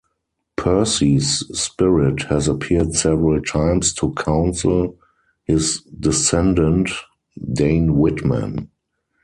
Percy's spirit has appeared several times to counsel his descendant, Dane Whitman.